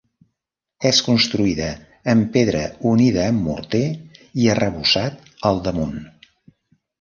És construïda en pedra unida amb morter i arrebossat al damunt.